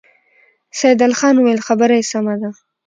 سيدال خان وويل: خبره يې سمه ده.